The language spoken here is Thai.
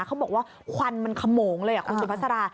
เขาบอกว่าควันมันขโมงเลยคุณสุภาษา